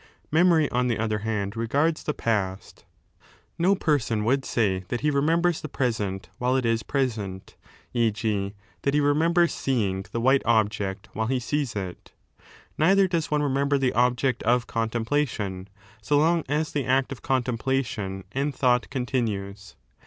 Memory, on the other hand, regaids the past. No person would say that he remembers the present while ^ it is present, e^. that he remembers seeing the white object while he sees it ; neither does one remember the object of contemplation, so long as the act of con templation and thought continues.